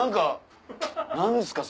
何すか！